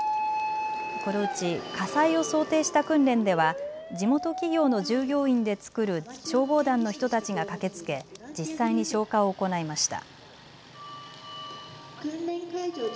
このうち火災を想定した訓練では地元企業の従業員で作る消防団の人たちが駆けつけ実際に消火を行いました。